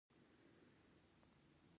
الوتکه اوږده واټنونه لنډوي.